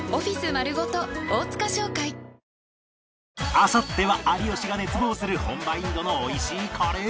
あさっては有吉が熱望する本場インドの美味しいカレー